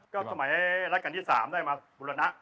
ก็สมัยรักรรณีสามได้มาบุรณะ